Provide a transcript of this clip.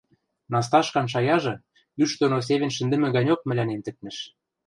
Насташкан шаяжы ӱш доно севен шӹндӹмӹ ганьок мӹлӓнем тӹкнӹш.